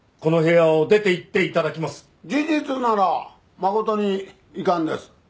事実なら誠に遺憾です。